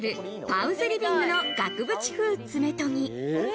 パウズリビングの額縁風爪とぎ。